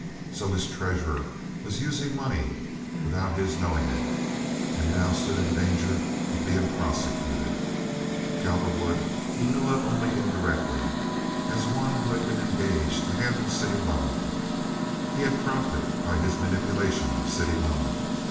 So his treasurer was using money without his knowing it, and now stood in danger of being prosecuted! Cowperwood he knew of only indirectly, as one who had been engaged to handle city loan. He had profited by his manipulation of city loan.